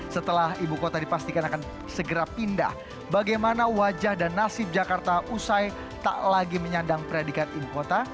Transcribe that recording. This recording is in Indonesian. setelah ibu kota dipastikan akan segera pindah bagaimana wajah dan nasib jakarta usai tak lagi menyandang predikat ibu kota